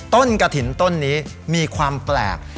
ต้นกะถินต้นนี้มีความแปลก